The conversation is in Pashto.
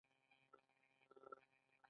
د ترانسفارمر له لارې ولټاژ لوړېږي یا کمېږي.